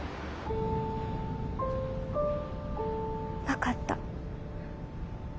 分かった。